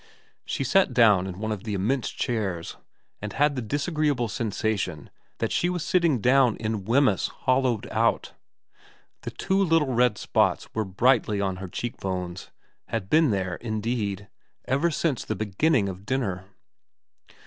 350 VERA XXXI She sat down in one of the immense chairs, and had the disagreeable sensation that she was sitting down in Wemyss hollowed out. The two little red spots were brightly on her cheek bones, had been there, indeed, ever since the beginning of dinner.